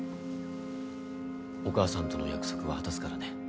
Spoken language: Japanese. お母さんとの約束は果たすからね。